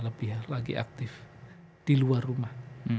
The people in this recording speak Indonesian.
lebih lagi aktif di luar rumah